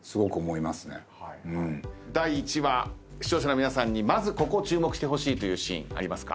第１話視聴者の皆さんにまずここ注目してほしいというシーンありますか？